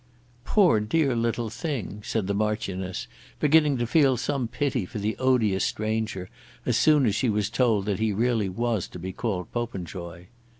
"Poor dear little thing," said the Marchioness, beginning to feel some pity for the odious stranger as soon as she was told that he really was to be called Popenjoy.